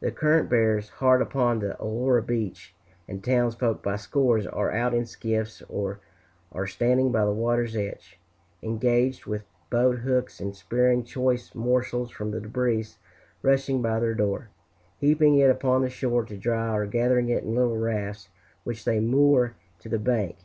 The current bears hard upon the Aurora beach, and townsfolk by scores are out in skiffs or are standing by the water's edge, engaged with boat hooks in spearing choice morsels from the debris rushing by their door heaping it upon the shore to dry, or gathering it in little rafts which they moor to the bank.